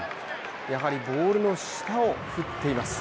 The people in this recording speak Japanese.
やはりボールの下を振っています。